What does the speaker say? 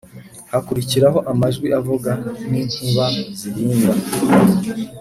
hakurikiraho amajwi avuga n’inkuba zihinda,